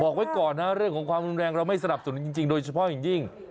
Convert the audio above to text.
บอกไว้ก่อนนะเรื่องของความรุนแรงเราไม่สนับสนุนจริงโดยเฉพาะอย่างยิ่ง